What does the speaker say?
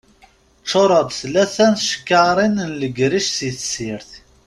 Ččureɣ-d tkata n tcekkaṛin n legric si tessirt.